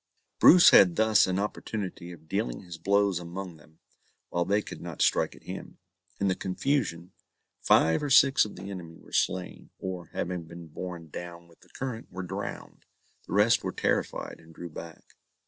Bruce had thus an opportunity of dealing his blows among them, while they could not strike at him. In the confusion, five or six of the enemy were slain, or, having been borne down with the current, were drowned. The rest were terrified, and drew back.